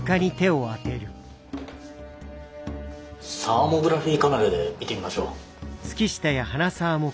サーモグラフィーカメラで見てみましょう。